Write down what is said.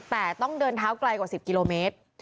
แต่ต้องเดินเท้าไกลกว่า๑๐กิโลเมตร